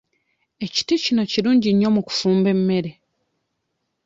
Ekiti kino kirungi nnyo mu kufumba emmere.